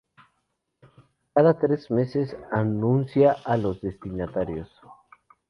Cada tres meses, anuncia a los destinatarios.